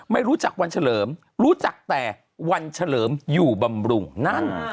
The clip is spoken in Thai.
ไม่รู้จักวันเฉลิมรู้จักแต่วันเฉลิมอยู่บำรุงนั่น